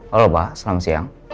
halo pak selamat siang